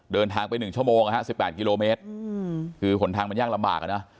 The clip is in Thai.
เดินทางไป๑ชั่วโมงนะฮะ๑๘กิโลเมตรคือหนทางมันยากลำบากอะนะ